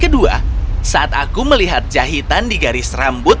kedua saat aku melihat jahitan di garis rambut